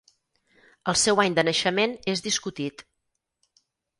El seu any de naixement és discutit.